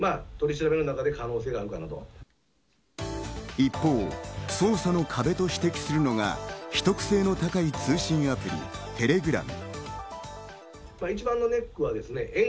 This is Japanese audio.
一方、捜査の壁と指摘するのが、秘匿性の高い通信アプリ・テレグラム。